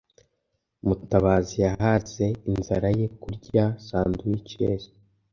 Mutabazi yahaze inzara ye kurya sandwiches.